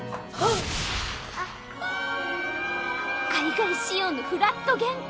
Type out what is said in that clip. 海外仕様のフラット玄関！